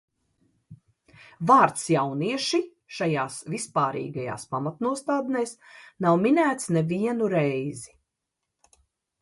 "Vārds "jaunieši" šajās vispārīgajās pamatnostādnēs nav minēts nevienu reizi."